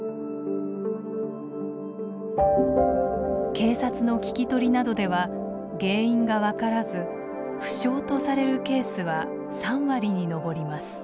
警察の聞き取りなどでは原因が分からず不詳とされるケースは３割に上ります。